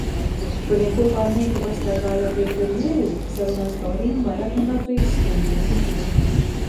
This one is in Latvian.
Šodien kopā ar meitu pastaigājoties gar jūru, sarunās pavadījām vairāk nekā trīs stundas.